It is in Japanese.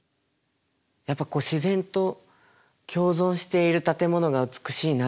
やっぱこう自然と共存している建物が美しいなと思います。